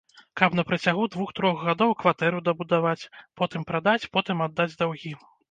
Каб на працягу двух-трох гадоў кватэру дабудаваць, потым прадаць, потым аддаць даўгі.